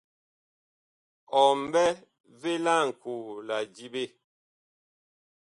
Ɔ mɓɛ vee laŋkoo la diɓe?